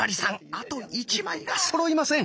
あと１枚がそろいません。